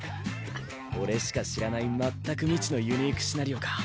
俺しか知らない全く未知のユニークシナリオか。